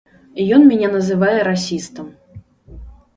Ён мяне называе расістам.